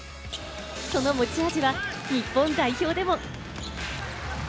その持ち味は日本代表でも。